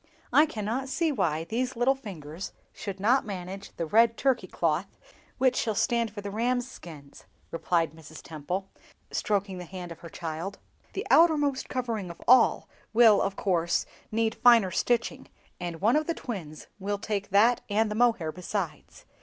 "I cannot see why these little fingers should not manage the red Turkey cloth which will stand for the rams' skins," replied Mrs. Temple, stroking the hand of her child; "the outermost covering of all will, of course, need finer stitching, and one of the twins will take that and the mohair besides.